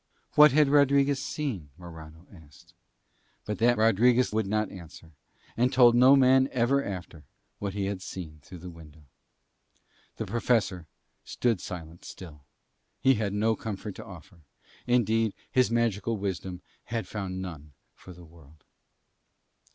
What had Rodriguez seen? Morano asked. But that Rodriguez would not answer, and told no man ever after what he had seen through that window. The Professor stood silent still: he had no comfort to offer; indeed his magical wisdom had found none for the world.